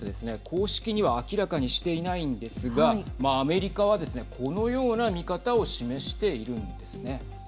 公式には明らかにしていないんですがアメリカはですね、このような見方を示しているんですね。